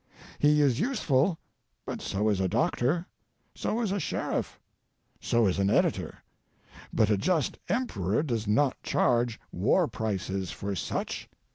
He is useful, but so is a doctor, so is a sheriff, so is an editor ; but a just Emperor does not charge war prices for such.